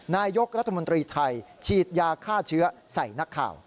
นายกรัฐมนตรีไทยฉีดยาฆ่าเชื้อใส่นักข่าว